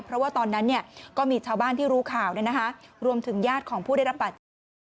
เพราะว่าตอนนั้นเนี่ยก็มีชาวบ้านที่รู้ข่าวเนี่ยนะคะรวมถึงญาติของผู้ได้รับบัตร